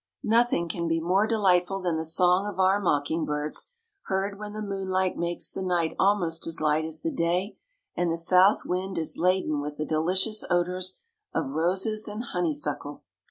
Nothing can be more delightful than the song of our mocking birds, heard when the moonlight makes the night almost as light as the day and the south wind is ladened with the delicious odors of roses and honeysuckle.